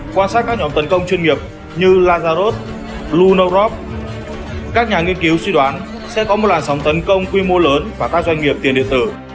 quan sát các nhóm tấn công chuyên nghiệp như lazarod blunorop các nhà nghiên cứu suy đoán sẽ có một làn sóng tấn công quy mô lớn và các doanh nghiệp tiền điện tử